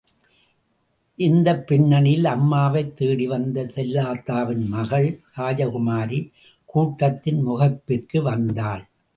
இந்தப் பின்னணியில், அம்மாவை தேடிவந்த செல்லாத்தாவின் மகள் ராசகுமாரி, கூட்டத்தின் முகப்பிற்கு வந்தாள்.